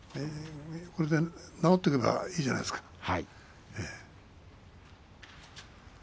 これで直っていけばいいんじゃないですか。